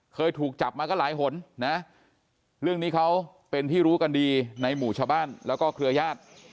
เคยถูกจับมาก็หลายหนนะเรื่องนี้เขาเป็นที่รู้กันดีในหมู่ชาวบ้านแล้วก็เครือญาติ